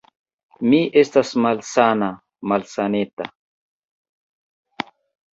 Mi estas malsana, malsaneta.